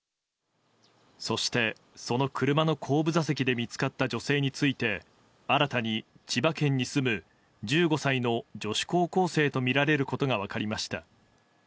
そして、その車の後部座席で見つかった女性について新たに、千葉県に住む１５歳の女子高校生とみられることが分かりました。